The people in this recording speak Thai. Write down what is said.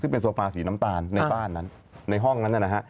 ซึ่งเป็นโซฟาสีน้ำตาลในบ้านนั้นในห้องนั้นนะฮะ